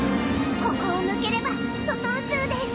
ここを抜ければ外宇宙です。